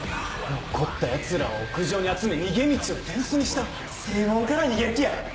残ったヤツらを屋上に集め逃げ道を手薄にした⁉正門から逃げる気や！